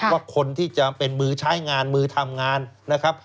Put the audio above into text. ว่าคนที่จะเป็นมือใช้งานมือทำงานนะครับ